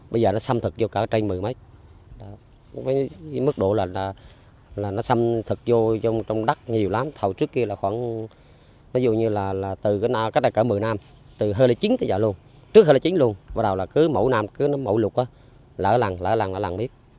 bây giờ nó xâm thực vô cả trên một mươi mấy mức độ là nó xâm thực vô trong đất nhiều lắm thầu trước kia là khoảng ví dụ như là từ cách đây cả một mươi năm từ hơi là chín tới giờ luôn trước hơi là chín luôn bắt đầu là cứ mẫu nam cứ mẫu lục á lỡ lằn lỡ lằn lỡ lằn biết